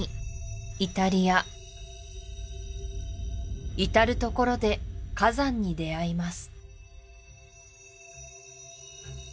イタリア至る所で火山に出会います